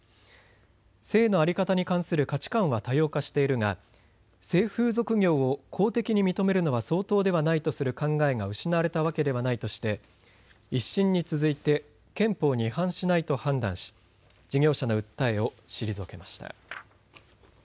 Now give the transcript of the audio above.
性の在り方に関する価値観は多様化しているが性風俗業を公的に認めるのは相当ではないとする考えが失われたわけではないとして１審に続いて憲法に違反しないと判断し事業者の訴えを退けました。